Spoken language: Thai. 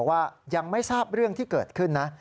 ว่ายังไม่ทราบเรื่องที่เกิดขึ้นนะ